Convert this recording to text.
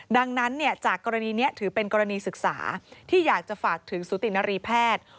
ดังนั้นจากกรณีนี้ถือเป็นกรณีศึกษาที่อยากจะฝากถึงสุตินรีแพทย์